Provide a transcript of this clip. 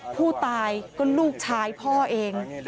ผู้ตายก็ลูกชายพ่อเอง